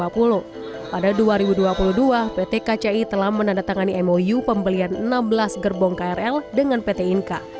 pada dua ribu dua puluh dua pt kci telah menandatangani mou pembelian enam belas gerbong krl dengan pt inka